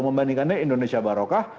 membandingkannya indonesia barokah